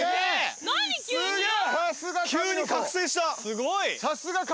すごい。